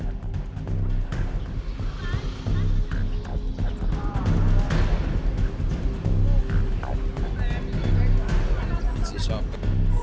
ini itu kepala dia ini kepala tempatnya